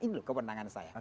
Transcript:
ini loh kewenangan saya